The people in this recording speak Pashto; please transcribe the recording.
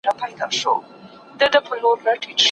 که انلاين درس ثبت سي هېر سوي مطالب بيا زده کيږي.